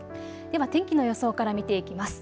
では天気の予想から見ていきます。